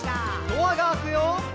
「ドアが開くよ」